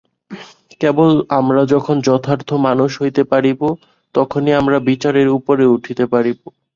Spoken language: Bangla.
কেবল আমরা যখন যথার্থ মানুষ হইতে পারিব, তখনই আমরা বিচারের উপরে উঠিতে পারিব।